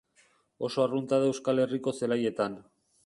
Oso arrunta da Euskal Herriko zelaietan.